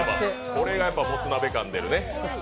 これがもつ鍋感が出るね。